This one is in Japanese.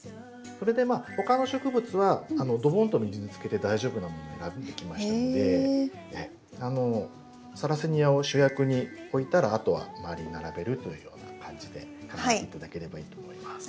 それで他の植物はドボンと水につけて大丈夫なものを選んでおきましたのでサラセニアを主役に置いたらあとは周りに並べるというような感じで考えて頂ければいいと思います。